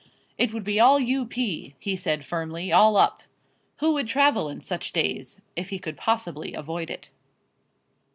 "It would be all U.P.," he said firmly; "all up...." Who would travel in such days if he could possibly avoid it?